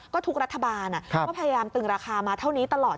ก็ทุกรัฐบาลก็พยายามตึงราคามาเท่านี้ตลอด